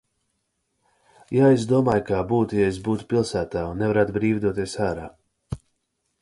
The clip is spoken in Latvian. Jā, es domāju, kā būtu, ja es būtu pilsētā un nevarētu brīvi doties ārā.